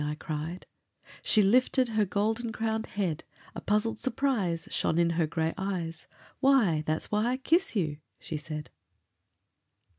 I cried; She lifted her golden crowned head, A puzzled surprise Shone in her gray eyes— "Why, that's why I kiss you," she said.